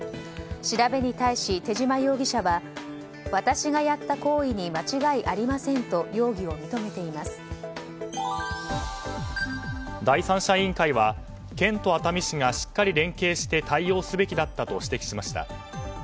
調べに対し、手島容疑者は私がやった行為に間違いありませんと第三者委員会は県と熱海市がしっかり連携して対応すべきだったと指摘しました。